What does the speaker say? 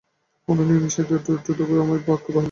কোনো নিয়ম দিয়ে সেই দূরত্বটুকু বজায় রাখা আমার পক্ষে বাহুল্য।